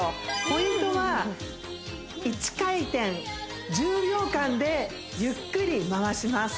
ポイントは１回転１０秒間でゆっくり回します